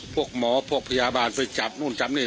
พวกหมอพวกพยาบาลไปจับนู่นจับนี่